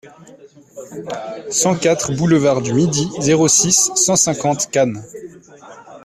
cent quatre boulevard du Midi, zéro six, cent cinquante Cannes